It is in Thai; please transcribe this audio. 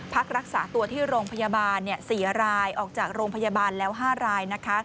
พักรักษาตัวที่โรงพยาบาล๔รายออกจากโรงพยาบาลแล้ว๕ราย